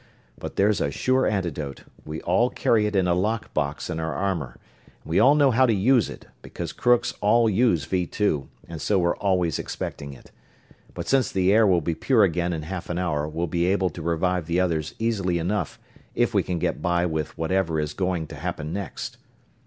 But there's a sure antidote we all carry it in a lock box in our armor and we all know how to use it, because crooks all use Vee Two and so we're always expecting it. But since the air will be pure again in half an hour we'll be able to revive the others easily enough if we can get by with whatever is going to happen next.